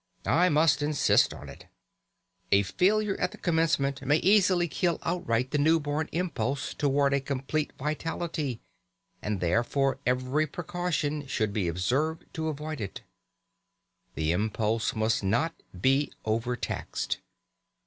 I must insist on it. A failure at the commencement may easily kill outright the newborn impulse towards a complete vitality, and therefore every precaution should be observed to avoid it. The impulse must not be over taxed.